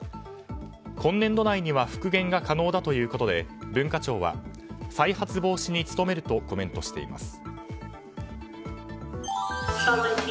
今年度内には復元が可能だということで文化庁は再発防止に努めるとコメントしています。